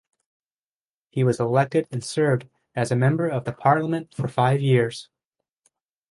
He was elected and served as the Member of Parliament for five years.